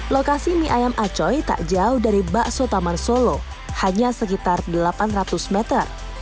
lokasi mie ayam acoy tak jauh dari bakso taman solo hanya sekitar delapan ratus meter